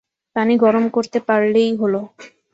পানি গরম করতে পারলেই হল।